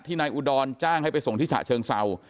นายอุดรจ้างให้ไปส่งที่ฉะเชิงเศร้า